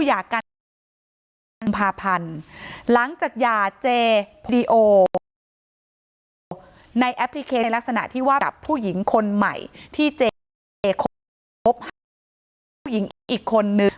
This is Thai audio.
จากกันภาพันธ์หลังจากหย่าเจพดีโอในแอปพลิเครนในลักษณะที่ว่ากับผู้หญิงคนใหม่ที่เจคบหาผู้หญิงอีกคนนึง